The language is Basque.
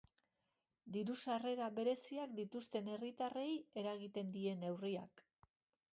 Diru-sarrera bereziak dituzten herritarrei eragiten die neurriak.